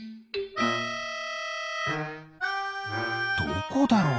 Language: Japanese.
どこだろう？